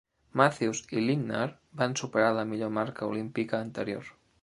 Matthews i Lindner van superar la millor marca olímpica anterior.